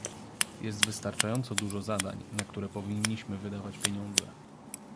Jest wystarczająco dużo zadań, na które powinniśmy wydawać pieniądze